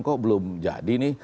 kok belum jadi nih